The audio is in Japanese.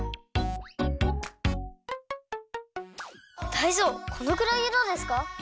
タイゾウこのくらいでどうですか？